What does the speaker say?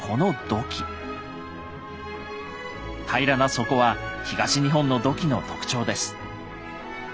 平らな底は東日本の土器の特徴です。